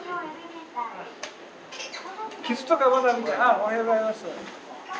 おはようございます。